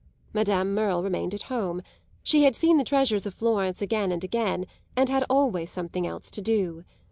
Madame Merle remained at home; she had seen the treasures of Florence again and again and had always something else to do.